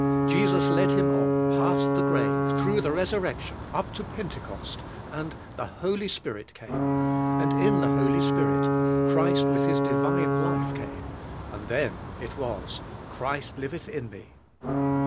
Jesus led him on, past the grave, through the Resurrection, up to Pentecost, and the Holy Spirit came, and in the Holy Spirit Christ with His divine life came, and then it was, "Christ liveth in me."